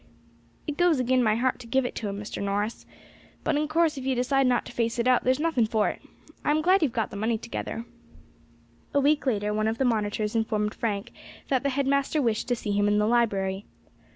"It goes agin my heart to give it to him, Mr. Norris; but in course if you decide not to face it out there's nothing for it. I am glad you have got the money together." A week later one of the monitors informed Frank that the head master wished to see him in the library.